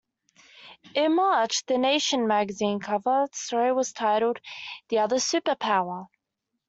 In March, "The Nation" magazine cover story was titled "The Other Superpower".